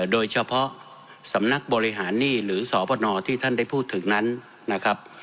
โดยเฉพาะสำนักบริหารหนี้หรือสพนที่ท่านได้พูดถึงนั้นนะครับ